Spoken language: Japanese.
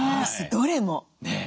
どれも。